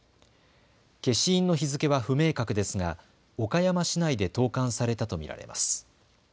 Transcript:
消印の日付は不明確ですが岡山市内で投かんされたと見られます。